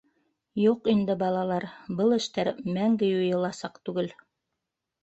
Юҡ инде, балалар, был эштәр мәңге юйыласаҡ түгел.